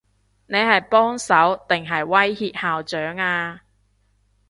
你係幫手，定係威脅校長啊？